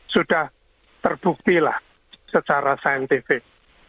sudah terbuktilah secara saintifik